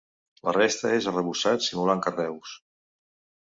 La resta és arrebossat simulant carreus.